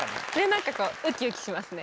なんかこうウキウキしますね。